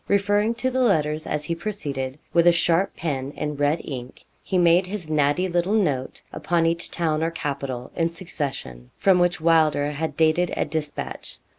Referring to the letters as he proceeded, with a sharp pen in red ink, he made his natty little note upon each town or capital in succession, from which Wylder had dated a despatch.